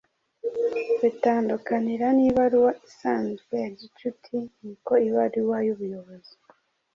bitandukanira n’ibaruwa isanzwe, ya gicuti ni uko ibaruwa y’ubuyobozi